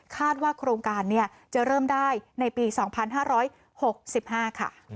ว่าโครงการจะเริ่มได้ในปี๒๕๖๕ค่ะ